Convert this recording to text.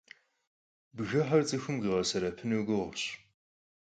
Bgıxer ts'ıxum khiğesebepınu guğuş.